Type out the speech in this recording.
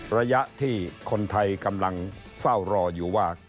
ระยะที่คนไทยกำลังเฝ้ารออยู่ว่า